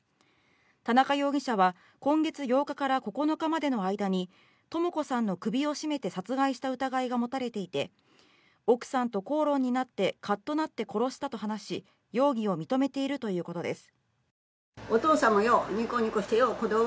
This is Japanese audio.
田中容疑者は今月８日から９日までの間に智子さんの首を絞めて殺害した疑いが持たれていて奥さんと口論になって、カッとなって殺したと話し容疑を認めているということです。